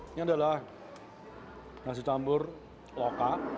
ini adalah nasi campur loka